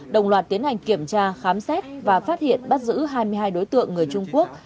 đồng loạt tiến hành kiểm tra khám xét và phát hiện bắt giữ hai mươi hai đối tượng người trung quốc